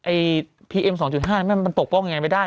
ไอ้พีเอ็ม๒๕มันปกป้องยังไงไม่ได้